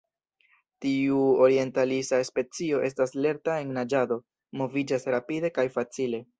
Tiu orientalisa specio estas lerta en naĝado, moviĝas rapide kaj facile.